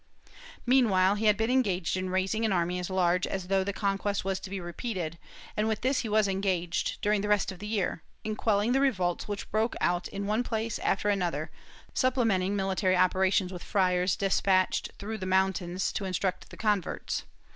^ Meanwhile he had been engaged in raising an army as large as though the conquest was to be repeated, and with this he was engaged, during the rest of the year, in quelling the revolts which broke out in one place after another, supplementing military operations with friars despatched through the mountains to instruct the converts.